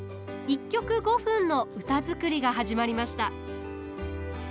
１曲５分の歌作りが始まりました。